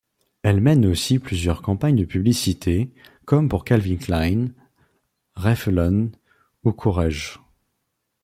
Elle mène aussi plusieurs campagnes de publicités, comme pour Calvin Klein, Revlon, ou Courrèges.